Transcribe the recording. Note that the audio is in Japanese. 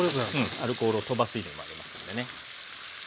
アルコールを飛ばす意図もありますんでね。